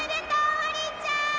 マリンちゃん！